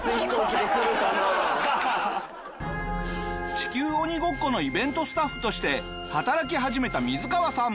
地球鬼ごっこのイベントスタッフとして働き始めたミズカワさん。